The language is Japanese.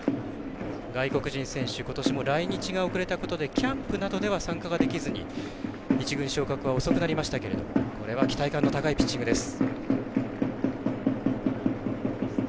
外国人選手ことしも来日が遅れたことでキャンプなどは参加できずに１軍昇格は遅くなりましたが期待の高いピッチングです。